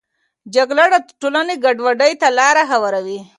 جګړه د ټولنې ګډوډي ته لاره هواروي.